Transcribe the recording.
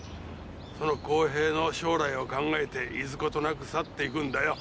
その康平の将来を考えていずことなく去っていくんだよ。